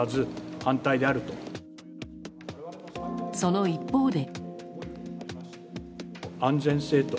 その一方で。